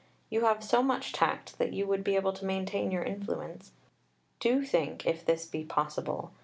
You have so much tact that you would be able to maintain your influence. Do think if this be possible.